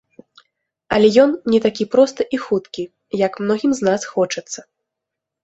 Але ён не такі просты і хуткі, як многім з нас хочацца.